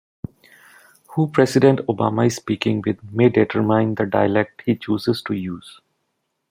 Who President Obama is speaking with may determine the dialect he chooses to use.